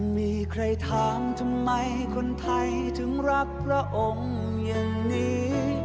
มีใครถามทำไมคนไทยถึงรักพระองค์อย่างนี้